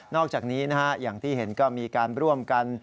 อกจากนี้อย่างที่เห็นก็มีการร่วมกัน